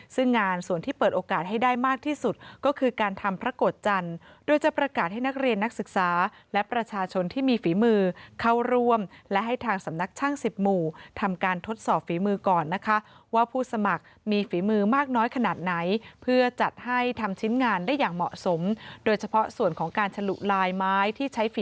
ซึ่งงานส่วนที่เปิดโอกาสให้ได้มากที่สุดก็คือการทำพระโกรธจันทร์โดยจะประกาศให้นักเรียนนักศึกษาและประชาชนที่มีฝีมือเข้าร่วมและให้ทางสำนักช่างสิบหมู่ทำการทดสอบฝีมือก่อนนะคะว่าผู้สมัครมีฝีมือมากน้อยขนาดไหนเพื่อจัดให้ทำชิ้นงานได้อย่างเหมาะสมโดยเฉพาะส่วนของการฉลุลายไม้ที่ใช้ฝี